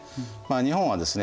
日本はですね